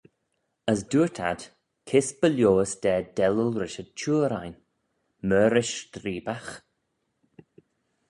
As dooyrt ad, Kys by-lhoys da dellal rish y chuyr ain, myr rish streebagh?